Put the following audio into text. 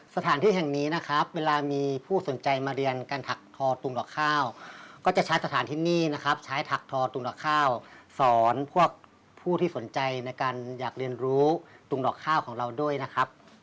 สถานที่แห่งนี้นะครับเวลามีผู้สนใจมาเรียนการถักทอตุงดอกข้าวก็จะใช้สถานที่นี่นะครับใช้ถักทอตุงกับข้าวสอนพวกผู้ที่สนใจในการอยากเรียนรู้ตุงดอกข้าวของเราด้วยนะครับ